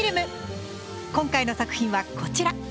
今回の作品はこちら。